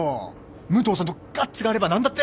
武藤さんのガッツがあれば何だって